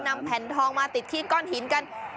นำแผ่นทองมาติดที่ก้อนหินกัน